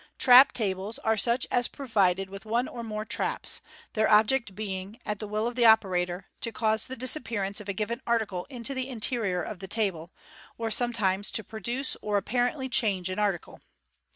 Trap tables are such as are provided with one or more " traps," their object being, at the will of the operator, to cause the disappear, ance of a given article into the interior of the table, or sometimes to produce or apparently change an article.